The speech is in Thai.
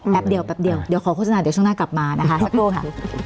แป๊บเดี๋ยวเดี๋ยวขอโฆษณาเดี๋ยวช่วงหน้ากลับมานะคะ